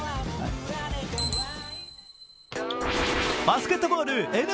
バスケットボールＮＢＡ。